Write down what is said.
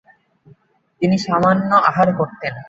তিনি সামান্য আহার করতেন।